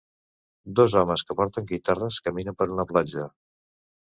Dos homes, que porten guitarres, caminen per una platja